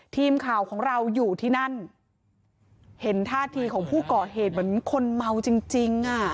ทีมข่าวของเราอยู่ที่นั่นเห็นท่าทีของผู้ก่อเหตุเหมือนคนเมาจริงจริงอ่ะ